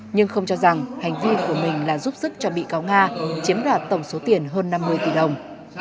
nhưng không cho rằng hành vi của mình là giúp sức cho bị cáo nga chiếm đoạt tổng số tiền hơn năm mươi tỷ đồng